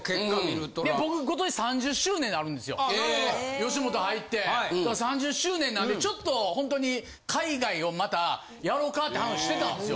吉本入って３０周年なんでちょっとほんとに海外をまたやろかって話してたんですよ。